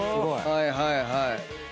はいはいはい。